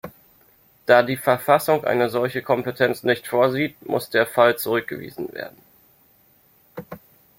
Da die Verfassung eine solche Kompetenz nicht vorsieht, muss der Fall zurückgewiesen werden.